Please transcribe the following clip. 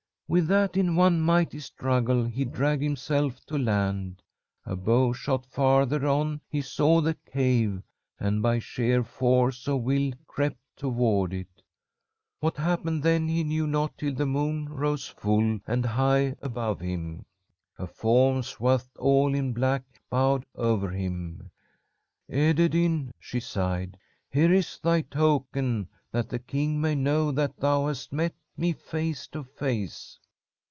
"With that, in one mighty struggle he dragged himself to land. A bow shot farther on he saw the cave, and by sheer force of will crept toward it. What happened then he knew not till the moon rose full and high above him. A form swathed all in black bowed over him. "'Ederyn,' she sighed. 'Here is thy token that the king may know that thou hast met me face to face.'